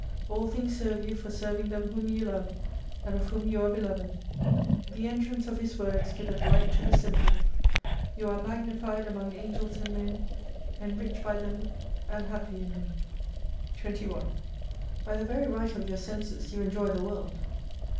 All things serve you for serving them whom you love, and of whom you are beloved. The entrance of His words giveth Light to the simple. You are magnified among Angels and men : enriched by them, and happy in them. 21 By the very right of your senses you enjoy the World.